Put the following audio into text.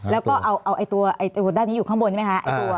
แล้วก็เอาตัวด้านนี้อยู่ข้างบนใช่ไหมคะ